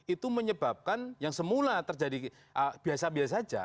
itu menyebabkan yang semula terjadi biasa biasa saja